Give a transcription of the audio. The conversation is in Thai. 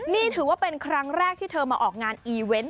นี่ถือว่าเป็นครั้งแรกที่เธอมาออกงานอีเวนต์